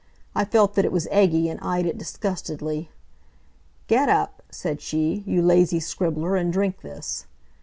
I felt that it was eggy and eyed it disgustedly. "Get up," said she, "you lazy scribbler, and drink this."